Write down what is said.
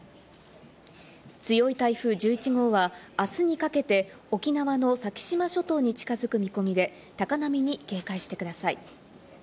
強い台風１１号はあすにかけて沖縄の先島諸島に近づく見込みで、高波に警戒してください。